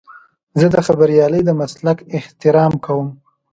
زه د خبریالۍ د مسلک احترام کوم.